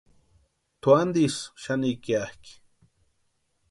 Tʼu antisï xani ikiakʼi.